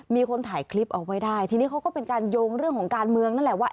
มีคนถ่ายคลิปเอาไว้ได้ทีนี้เขาก็เป็นการโยงเรื่องของการเมืองนั่นแหละว่า